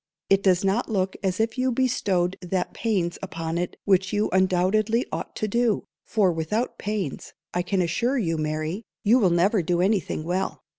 It does not look as if you bestowed that pains upon it which you undoubtedly ought to do; for without pains, I can assure you, Mary, you will never do any thing well.